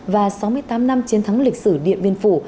và sáu mươi tám năm chiến thắng lịch sử điện biên phủ